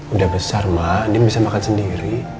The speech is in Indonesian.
udah besar mak andien bisa makan sendiri